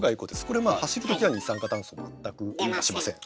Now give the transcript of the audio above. これまあ走る時は二酸化炭素全く出しません。